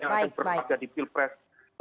yang akan berlagak di pilpres